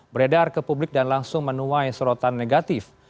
beredar ke publik dan langsung menuai sorotan negatif